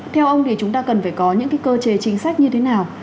theo ông thì chúng ta cần phải có những cơ chế chính sách như thế nào